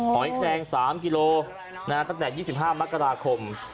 หอยแคลง๓กิโลตั้งแต่๒๕มกราคม